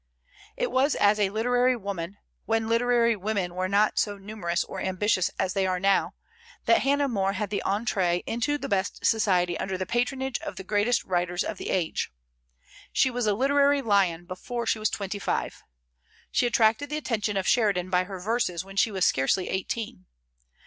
It was as a literary woman when literary women were not so numerous or ambitious as they now are that Hannah More had the entrée into the best society under the patronage of the greatest writers of the age. She was a literary lion before she was twenty five. She attracted the attention of Sheridan by her verses when she was scarcely eighteen.